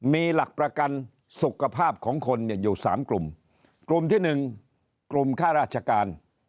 มีหลักประกันสุขภาพของคนเนี่ยอยู่สามกลุ่มกลุ่มที่หนึ่งกลุ่มค่าราชการ